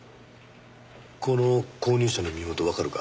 この購入者の身元わかるか？